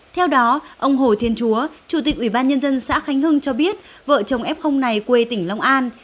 theo đó ông hồ thiên chúa chủ tịch ủy ban nhân dân xã khánh hưng cho biết vợ chồng em không này quê tỉnh long an